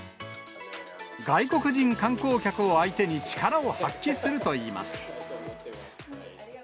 外国人観光客を相手に力を発揮するといいます。